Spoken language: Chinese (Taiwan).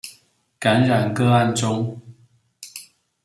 感染個案中